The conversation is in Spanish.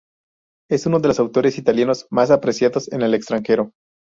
Es uno de los autores italianos más apreciados en el extranjero.